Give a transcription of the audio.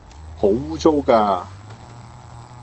好污糟㗎